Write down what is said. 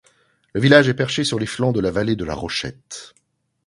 Le village est perché sur les flancs de la vallée de La Rochette.